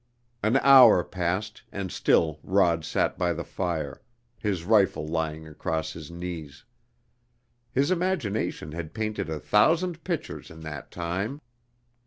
An hour passed and still Rod sat by the fire; his rifle lying across his knees. His imagination had painted a thousand pictures in that time.